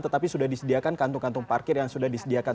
tetapi sudah disediakan kantung kantung parkir yang sudah disediakan